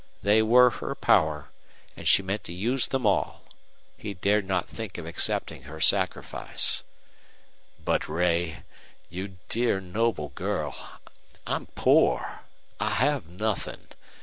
They were her power, and she meant to use them all. He dared not think of accepting her sacrifice. "But Ray you dear, noble girl I'm poor. I have nothing.